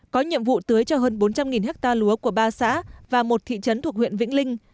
có nhiệm vụ tưới cho hơn bốn trăm linh hectare lúa của ba xã và một thị trấn thuộc huyện vĩnh linh